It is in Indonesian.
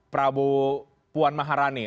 prabu puan maharani